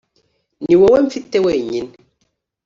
ni wowe mfite wenyine